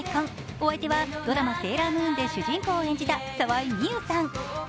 お相手はドラマ「セーラームーン」で主人公を演じた沢井美優さん。